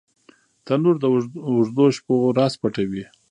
تنور د اوږدو شپو راز پټوي